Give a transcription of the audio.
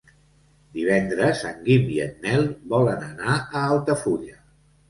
Divendres en Guim i en Nel volen anar a Altafulla.